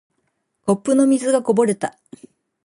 コップの水がこぼれた。